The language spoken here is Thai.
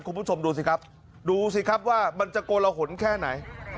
คุณผู้ชมดูสิครับว่ามันจะโกลหละหนแค่ไหน